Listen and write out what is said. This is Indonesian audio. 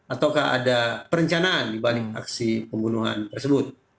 ataukah ada perencanaan dibalik aksi pembunuhan tersebut